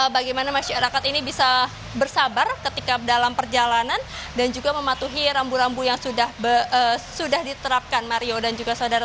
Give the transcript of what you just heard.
bagaimana masyarakat ini bisa bersabar ketika dalam perjalanan dan juga mematuhi rambu rambu yang sudah diterapkan mario dan juga saudara